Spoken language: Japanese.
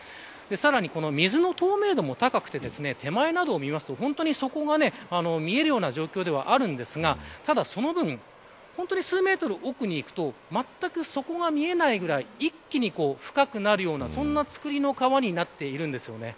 さらにこの水の透明度も高くて手前などを見ると底が見えるような状況ではありますがその分、数メートル奥に行くとまったく底が見えないぐらい一気に深くなるようなつくりの川になっているんです。